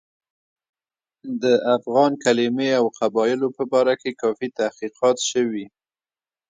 د افغان کلمې او قبایلو په باره کې کافي تحقیقات شوي.